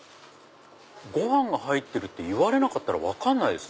ご飯が入ってるって言われなかったら分かんないです。